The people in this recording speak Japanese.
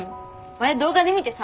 前動画で見てさ。